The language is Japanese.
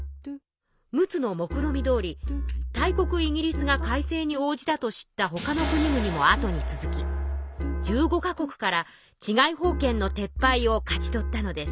陸奥のもくろみどおり大国イギリスが改正に応じたと知ったほかの国々も後に続き１５か国から治外法権の撤廃を勝ち取ったのです。